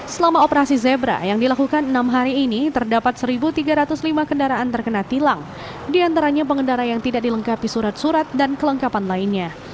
selama operasi zebra yang dilakukan enam hari ini terdapat satu tiga ratus lima kendaraan terkena tilang diantaranya pengendara yang tidak dilengkapi surat surat dan kelengkapan lainnya